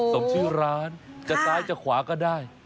สมชื่อร้านจะซ้ายจะขวาก็ได้